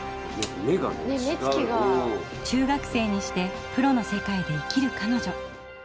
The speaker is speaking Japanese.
中学生にしてプロの世界で生きるかのじょ。